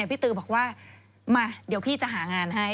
ตือบอกว่ามาเดี๋ยวพี่จะหางานให้